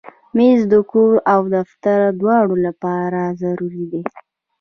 مېز د کور او دفتر دواړو لپاره ضروري دی.